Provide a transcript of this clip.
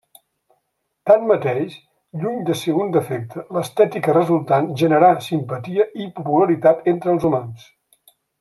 Tanmateix, lluny de ser un defecte, l'estètica resultant generà simpatia i popularitat entre els humans.